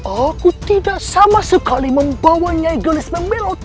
aku tidak sama sekali membawa nyai geris membelot